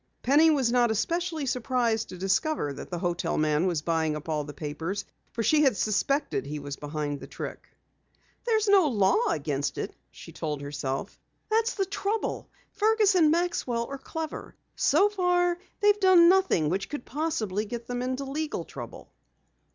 Penny was not especially surprised to discover that the hotel man was buying up all the papers, for she had suspected he was behind the trick. "There's no law against it," she told herself. "That's the trouble. Fergus and Maxwell are clever. So far they've done nothing which could possibly get them into legal trouble."